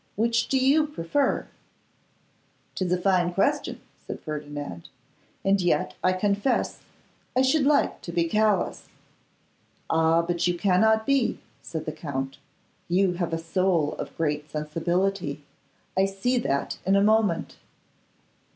Which do you prefer?' ''Tis a fine question,' said Ferdinand; 'and yet I confess I should like to be callous.' 'Ah! but you cannot be,' said the Count, 'you have a soul of great sensibility; I see that in a moment.